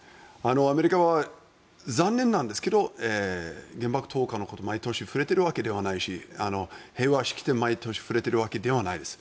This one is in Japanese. アメリカは残念なんですけど原爆投下のことに毎年触れているわけではないし平和式典、毎年触れているわけではないです。